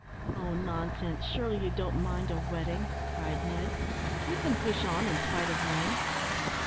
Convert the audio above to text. "Oh, nonsense! surely you don't mind a wetting?" cried Ned; "we can push on in spite of rain."